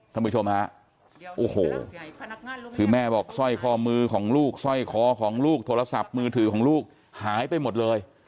ท่านผู้ชมฮะโอ้โหคือแม่บอกสร้อยคอมือของลูกสร้อยคอของลูกโทรศัพท์มือถือของลูกหายไปหมดเลย